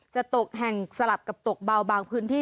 จะตกแห่งสลับกับตกเบาบางพื้นที่